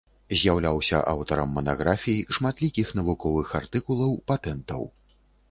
З'яўляўся аўтарам манаграфій, шматлікіх навуковых артыкулаў, патэнтаў.